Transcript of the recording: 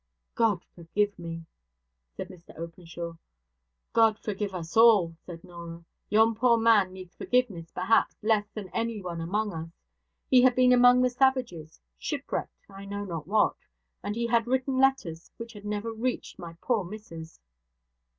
'God forgive me!' said Mr Openshaw. 'God forgive us all!' said Norah. 'Yon poor man needs forgiveness, perhaps, less than any one among us. He had been among the savages shipwrecked I know not what and he had written letters which had never reached my poor missus.'